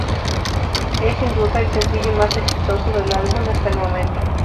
Es, sin duda, el sencillo más exitoso del álbum hasta el momento.